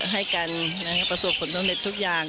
ให้กันประสบความสุขทั้งหมดทุกอย่าง